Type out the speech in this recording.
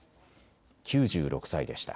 ９６歳でした。